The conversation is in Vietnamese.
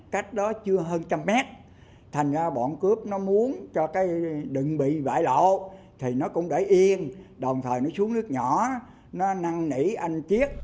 cách đó chưa hơn trăm mét thành ra bọn cướp nó muốn cho cái đựng bị vải lộ thì nó cũng để yên đồng thời nó xuống nước nhỏ nó năng nỉ anh chiết